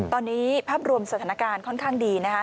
ตอนนี้ภาพรวมสถานการณ์ค่อนข้างดีนะคะ